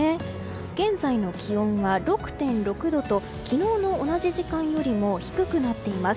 現在の気温は６．６度と昨日の同じ時間よりも低くなっています。